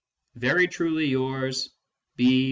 Very truly yours, B.